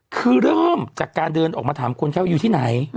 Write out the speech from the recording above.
คือเริ่มจากการเดินออกมาถามคนแค่ว่าอยู่ที่ไหน